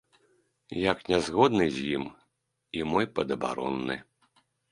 Як не згодны з ім і мой падабаронны.